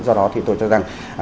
do đó thì tôi cho rằng